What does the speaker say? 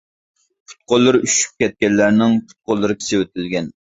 پۇت-قوللىرى ئۈششۈپ كەتكەنلەرنىڭ پۇت-قوللىرى كېسىۋېتىلگەن.